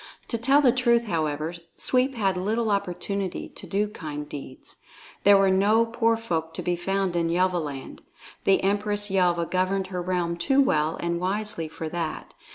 To tell the truth, however, Sweep had little opportunity to do kind deeds. There were no poor folk to be found in Yelvaland. The Empress Yelva governed her realm too well and wisely for that.